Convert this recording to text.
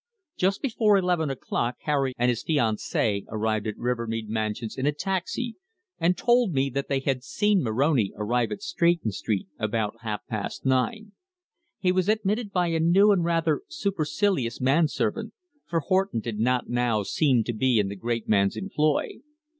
Just before eleven o'clock Harry and his fiancée arrived at Rivermead Mansions in a taxi and told me that they had seen Moroni arrive at Stretton Street about half past nine. He was admitted by a new and rather supercilious man servant for Horton did not now seem to be in the great man's employ.